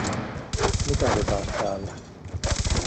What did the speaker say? Mitä se taas täällä?